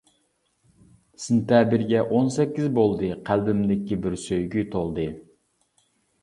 سېنتەبىرگە ئون سەككىز بولدى قەلبىمدىكى بىر سۆيگۈ تولدى!